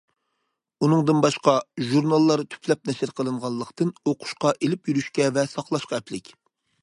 ئۇنىڭدىن باشقا، ژۇرناللار تۈپلەپ نەشر قىلىنغانلىقتىن ئوقۇشقا، ئېلىپ يۈرۈشكە ۋە ساقلاشقا ئەپلىك.